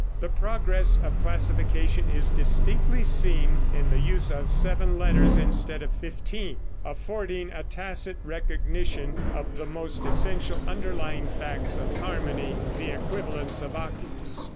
The progress of classification is distinctly seen in the use of seven letters instead of fifteen, affording a tacit recognition of the most essential underlying facts of harmony the equivalence of octaves.